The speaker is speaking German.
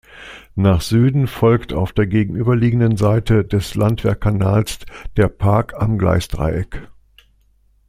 Nach Süden folgt auf der gegenüberliegenden Seite des Landwehrkanals der Park am Gleisdreieck.